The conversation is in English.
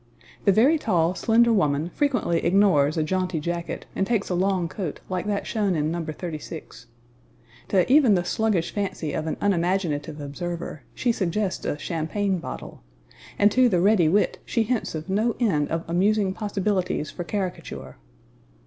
The very tall, slender woman frequently ignores a jaunty jacket and takes a long coat like that shown in No. 36. To even the sluggish fancy of an unimaginative observer she suggests a champagne bottle, and to the ready wit she hints of no end of amusing possibilities for caricature.